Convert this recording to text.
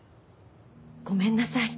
ごめんなさい。